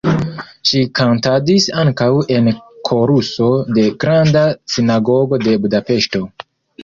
Ŝi kantadis ankaŭ en koruso de Granda Sinagogo de Budapeŝto.